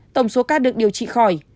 tổng số ca được điều trị khỏi